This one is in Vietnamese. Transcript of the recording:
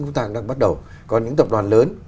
chúng ta cũng đang bắt đầu còn những tập đoàn lớn